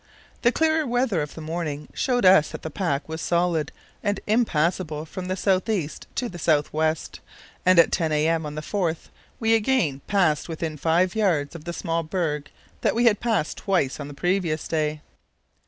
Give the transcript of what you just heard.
The clearer weather of the morning showed us that the pack was solid and impassable from the south east to the south west, and at 10 a.m. on the 4th we again passed within five yards of the small berg that we had passed twice on the previous day.